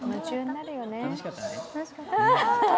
楽しかったね、ね。